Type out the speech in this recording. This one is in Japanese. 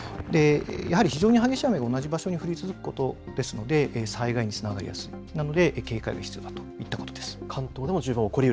やはり非常に激しい雨が同じ場所に降り続くことですので災害につながりやすい、なので警戒が必要ですというところです。